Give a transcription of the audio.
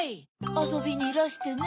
「あそびにいらしてね」